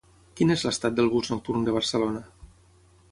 Quin és l'estat del bus nocturn de Barcelona?